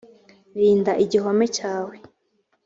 rinda igihome cyawe